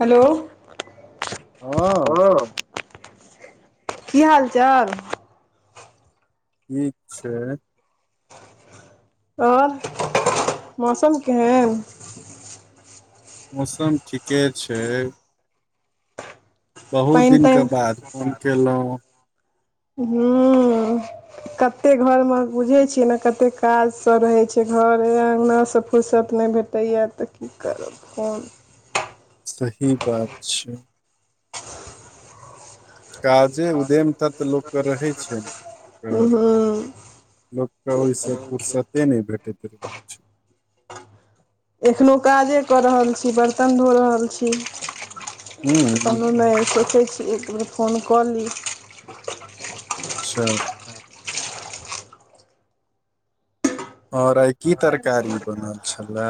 hello हँ की हाल चाल ठीक छै आओर मौसम केहन मौसम ठीके छै बहुत पानि दिनके तानि बाद फोन कयलहुँ हँ कतेक घरमे बुझैत छियै ने कतेक काजसँ रहैत छै घर अङ्गनासँ फुर्सत नहि भेटैए तऽ की करब फोन सही बात छै काजे उदम तक तऽ लोकके रहै छै हूँ लोकके ओहिसँ फुर्सते नहि भेटे ठ [unintelligible] एखनहु काजे कऽ रहल छी बरतन धो रहल छी हूँ कहु नय सोचै छि [unintelligible] एक बेेर फोन कऽ ली अच्छा आओर आइ की तरकारी बनल छलए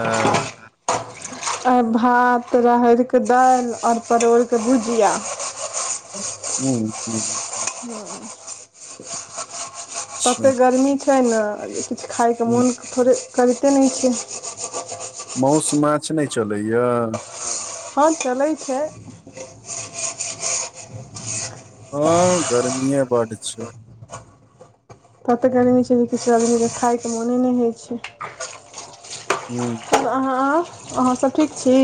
आइ भात राहरिकऽ दालि आओर परोड़के भुजिया ह्म ह तते अच्छा गर्मी छै छैना किछु खाइके हूँ मोनके थोड़े करिते नहि छय मौस माछ नय चलैए हँ चलै छै हँ गर्मीए बड्ड छै तत गरमी आदमी छै जे किछो आदमीकेँ खायके मोने नहि होइ छै हूँ [unintelligible] अहाँसभ ठीक छी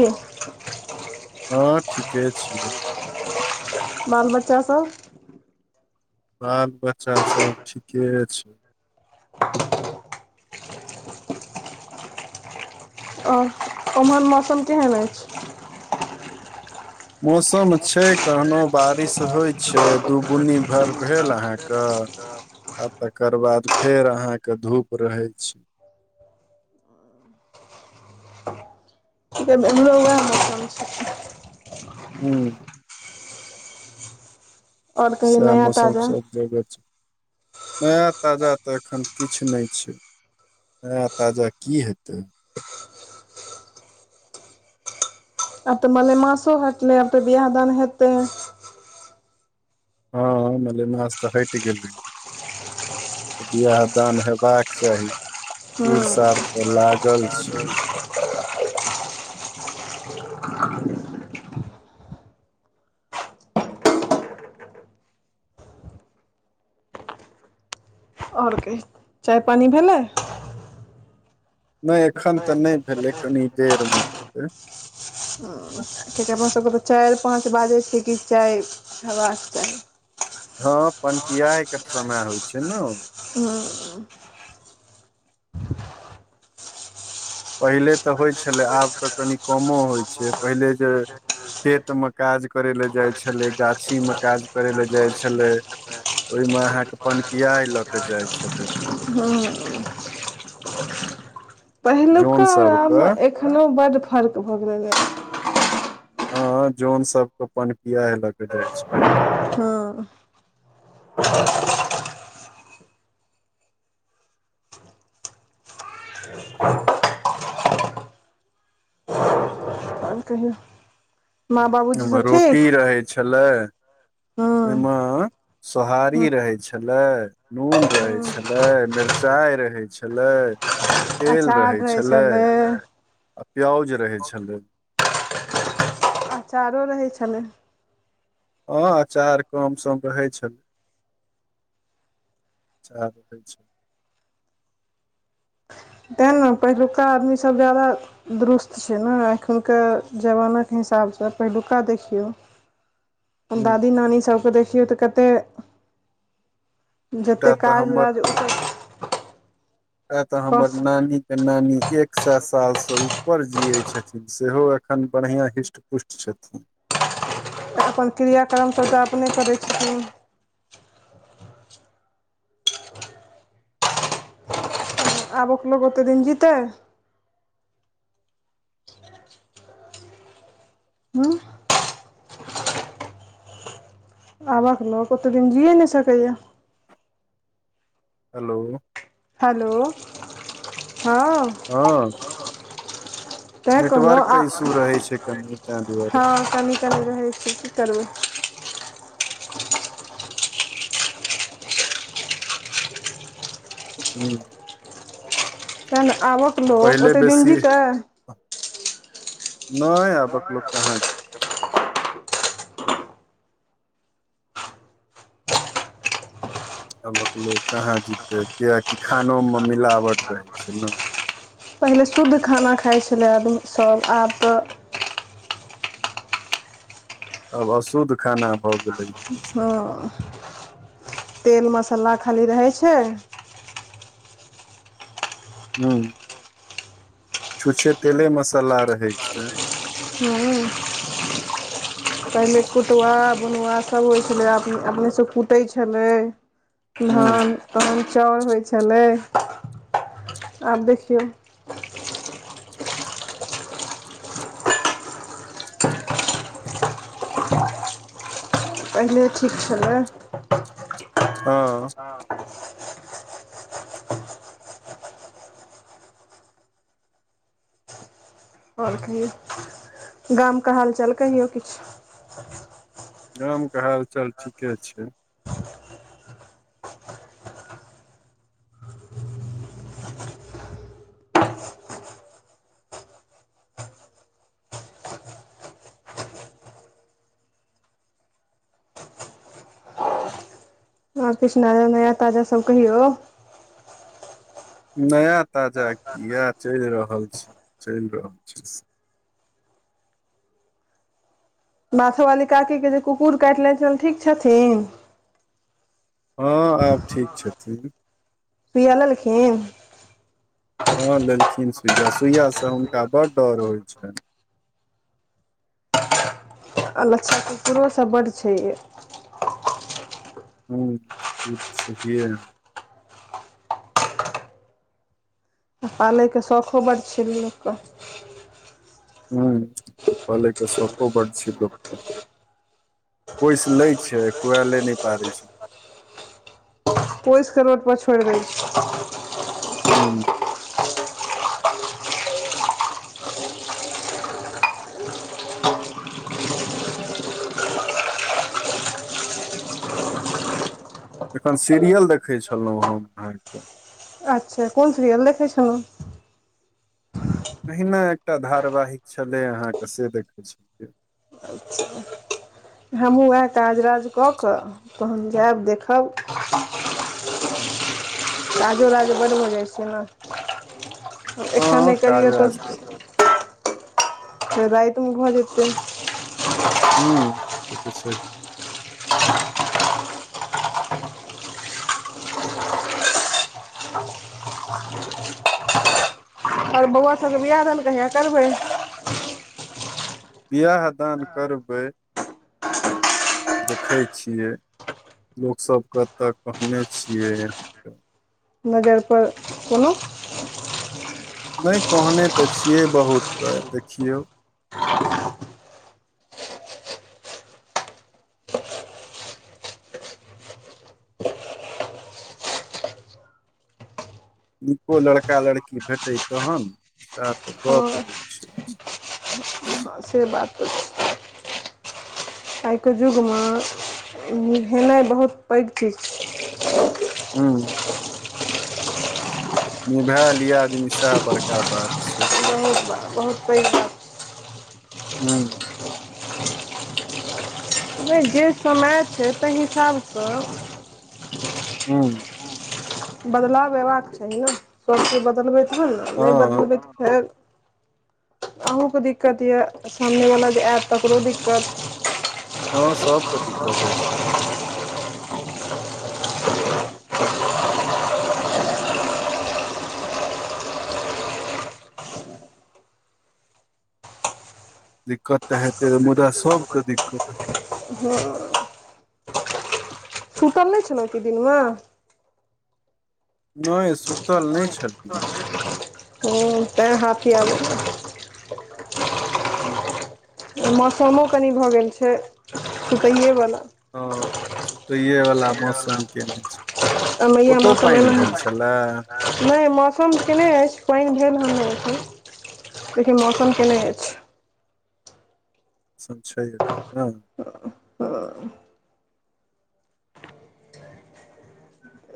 हाँ ठीके छियै बाल बच्चा सब बाल बच्चा सभ ठीके छै आ ओम्हर मौसम केहन अछि मौसम छै कखनो बारिश होइ छै दू बुन्नी भर भेल अहाँके आ तकर बाद फेर अहाँके धूप रहै छै सेम एमहरो भ रहल छै ह्म आओर कहियो साएह नया मौसम ताजा सब जगह छै नया ताजा तऽ एखन तऽ किछ नहि छै नया ताजा की हेतै आब तऽ मलेमासो हटलै आब तऽ बिआह दान हेतै हाँ मलेमास तऽ हटि गेलै बिआह दान हेबाक चाही सुर सार हूँ तऽ लागल छै आओर कही चाय पानि भेलै नहि एखन तऽ नहि भेलै कनि देरमे हेतै ठीके अपन सभकेँ तऽ चारि पाँच बाजै छै की चाय हेबाक चाही हाँ पनपियायके समय होइ छै न हूँ पहिले तऽ होइ छलै आब तऽ कनि कमो होइ छै पहिले जे खेतमे काज करैय लाए जाइ छलै गाछीमे काज करैय लाए जाइ छलै ओहिमे अहाँके पनपियाइ लऽ कऽ जाइ छलै जोनस हम एखनो बड्ड फर्क भऽ गेलैए हाँ जोन सब के पनपिया लऽ कऽ जाइ छै हाँ आओर कहियौ माँ बाबूजी एगो सब ठीक रोटी रहै छलै हूँ ओहिमे सोहारी रहै छलै नून रहै छलै मिर्चाइ रहै छलै अचार रहै छलै आ प्याउज रहै छलै अचारो रहै छलै हाँ अचार कम सम रहै छलै अचार रहै छलै तेँ ने पहिलुका आदमीसभ ज्यादा दुरुस्त छै न एखुनका जमानाके हिसाबसँ पहिलुका देखियौ ह दादी नानी सबके देखियो देखखियौ तऽ कते एकटा जतेक तऽ काज राज ओत आ तऽ हमर नानी के नानी एक एक सए सालसँ ऊपर जियैत छथिन सेहो एखन बढ़ियाँ हृष्टपुष्ट छथिन तऽ अपन क्रियाक्रमसभ टा अपने करै छथिन आबक लोको ओतेक दिन जीतै हूँ आब लोक ओतेक दिन जीए नहि सकैए या हेलो हेलो हँ हँ तैँ कहलहुँ नेटवर्क आ के इशू रहे छै कनि ताहि दुआरे हँ कनि कनी रहै छिय की करबै हूँ तैं न आबक लोक ओते दिन बेसी जीतै नहि आबक लोक कहाँ आबक लोक कहाँ जीतै किएकि खानोमे मिलावट रहै छै ने पहिले शुद्ध खाना खाइ छलै आदमीसभ आब तऽ अब अशुद्ध खाना भऽ गेलै हँ तेल मसाला खाली रहै छै ह्म छुच्छे तेले मसाला रहै छै हूँ तमे कुटब बुनुआ सब होइ छलै अपने से कुटै छलै ह धान अहन चाउर होइ छलै आब देखसऔ पहिले ठीक छलै हँ आओर कहियौ गामके हालचाल कहियओ किछु गामके हालचाल ठीके छै आर कृछ नया नया ताजा सब कहियौ नया ताजा कएह चलि रहल छै चलि रहल छै माथो वाली काकीे जे कुकुर काटि लैत छल ठीक छथिन हँ आब ठीक छथिन सुयललखन हँ देलखिन सुइया सुइया से हुनका बड डर होइ छनि आ लच्छा कुसरोसभ बड्ड छै ह ई तऽ छैहिए पालयके शौखो बड्ड छै लोककेँ ह्म पलयके शौको बड्ड छै लोकके पइस लै छै खुआले नहि पारै छै पोस कऽ रोडपर छोड़ि दै छी ह्म एखन सीरियल देखै छलहुँ हम अहाँकेँ अच्छा कोन सिरियल देखै छल अहिना एकटा धारवाहिक छलै अहाँके से देखै छलियै हमहूँ उएह काज राज कऽ कऽ तहन जायब देखब ह्म्म काजो राज बड्ड भऽ जाइ छै न एकखन हँ नहि काज करियौ तऽ रास्ता रातिमे भऽ जेतै हूँ से तऽ छै आओर बौआ सभके बिआह दान कहिया करबै बिआाह दान करबै देखै छियै लोकसभकेँतय कहने छियै यहाँके नजर पर कोनो नहि कहने तऽ छियै बहुतके देखियौ नीको लड़का लड़की भेटै तहन साएह तऽ हँ गप्प होइ छै हाँ से बात छै आइके युगमे ई हेनाइ बहुत पैघ चीज छै हूँ निभाय लिया आदमी सएह बड़का बात छै बहुत बात बहुत पैघ बात छै हूँ नहि जे समय छै तहि हिसाबसँ हूँ बदलाव अयबाक चाही न सभ चीज बदलबैत तहन न नहि हँ बदलबै तऽ फेर अहूँके दिक्कत या सामनेवला जे आयत तकरो दिक्कत हँ सब दिक्कत हेतै दिक्कत तऽ हेतै तऽ मुदा सभकेँ दिक्कत हेतै [inaudible] चलै छै न दिनमे नहि सुतल नहि छलै हूँ तैँ हाफी आबै या हूँ मौसमो कनि भऽ गेल छै सुतैएवला हाँ सुतैय वला मौसम केने छै आ मैया ओतौ मौसम पानि एनाहिं भेल छलए नहि मौसम के नहि अछि पानि भेल हन नै एखन लेकिन मौसम केए ने अछि सब छै एत्ते नै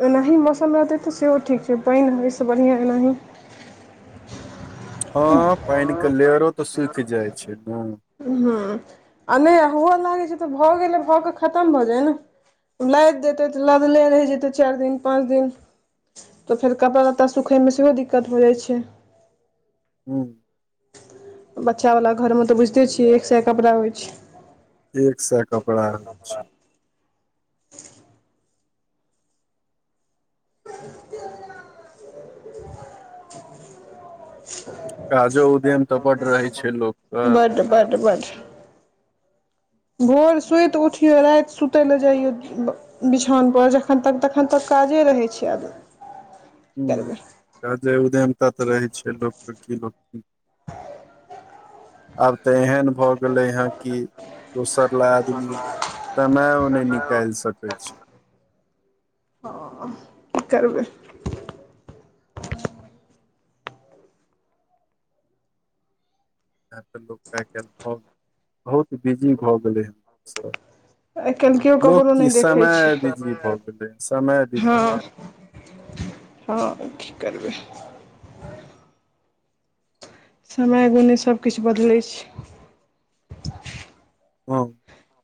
एनाही मौसम रहतै तऽ सेहो ठीक छै पानि होइसँ बढ़ियाँ एनाही हाँ पानिके लेयरो तऽ सुखि जाइ छै न हँ आ नहि हुओ लागै छै तऽ भऽ गेलै भऽ कऽ खतम भऽ जाई न लादि देतै तऽ लदले रहि जेतै चारि दिन पाँच दिन तऽ फेर कपड़ा लत्ता सुखयमे सेहो दिक्कत भऽ जाइ छै हूँ बच्चावला घरमे तऽ बुझितै छियै एक साएह कपड़ा होइ छै एक साएह कपड़ा होइ छै काजो उदम त बढ़ रहै छै लोक बट बट बट भोर सुति उठियौ राति सुतय लेलए जइयौ बिछओनपर जखन तक तखन तक काजे रहै छै आब ह्म काज उदयमता तऽ रहै छै लोकके की लोक की आब तऽ एहन भऽ गेलै हें कि दोसर अला आदमी तना ओने निकाल सकैत छै हँ की करबै इए तऽ लोक आइ काल्हि भऽ गेल बहुत बिजी भऽ गेलै हेनसभ आइ काल्हि केओ ककरो नहि देखै समय छै बिजी भऽ गेलै समय बिजी हँ हँ करबै समय गुण सभकिछु बदलै छै हँ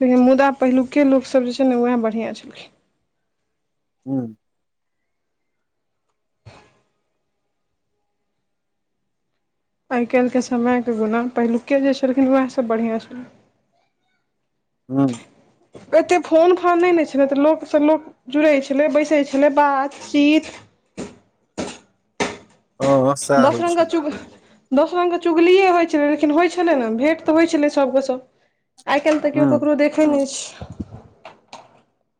िन मुदा पहिलु्के लोकसभ जे छै ने उएह बढ़िआँ छलखिन ह्म आइ काल्हिके समयके गुना पहिलुक्के जे छलखिन उएहसभ बढ़िआँ छलै हँ एतेक फोन फान नहि ने छल तऽ लोकसँ लोक जुड़ै छलै बैसै छलै बातचीत हँ सएह दस होइ रङंगग छलै चुग पहिने दस रङंगग चुगलिए होइ छलै लेकिन होइ छलै ने भेँट तऽ होइ छलै सभके सभ आइ काल्हि तऽ केओ ह ककरो देखै नहि छै [inaudible]